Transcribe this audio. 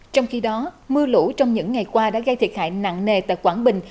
trong khi đó mưa lũ trong những ngày qua đã gây thiệt hại nặng nề tại quảng bình